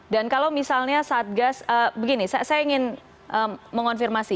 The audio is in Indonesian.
dan kalau misalnya saat gas begini saya ingin mengonfirmasi